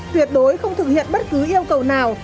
tuyệt đối không thực hiện bất cứ yêu cầu nào